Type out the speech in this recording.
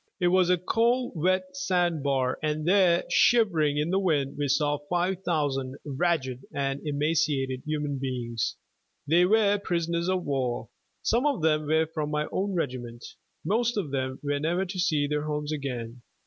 It was a cold wet sandbar, and there, shivering in the wind, we saw five thousand ragged and emaciated human beings. They were prisoners of war. Some of them were from my own regiment. Most of them were never to see their homes again.